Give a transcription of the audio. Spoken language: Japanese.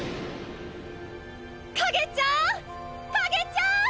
カゲちゃん！